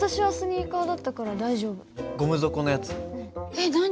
えっ何？